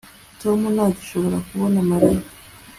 Tom ntagishobora kubona Mariya